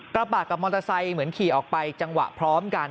กระบะกับมอเตอร์ไซค์เหมือนขี่ออกไปจังหวะพร้อมกัน